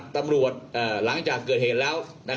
หลังจากเกิดเหตุแล้ว